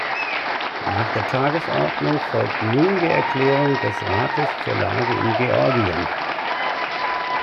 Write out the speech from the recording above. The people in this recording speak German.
Nach der Tagesordnung folgt nun die Erklärung des Rates zur Lage in Georgien.